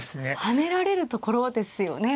跳ねられるところですよね。